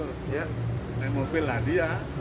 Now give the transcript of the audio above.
naik mobil lah dia